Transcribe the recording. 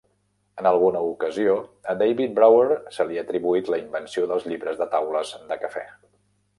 En alguna ocasió, a David Brower se li ha atribuït la invenció dels "llibres de taules de cafè".